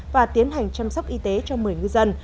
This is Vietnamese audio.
và tiến hành chăm sóc y tế cho một mươi ngư dân